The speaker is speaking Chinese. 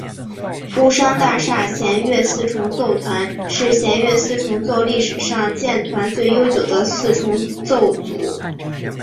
布商大厦弦乐四重奏团是弦乐四重奏历史上建团最悠久的四重奏组。